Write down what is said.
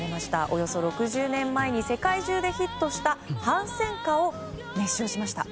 およそ６０年前に世界中でヒットした反戦歌を熱唱しました。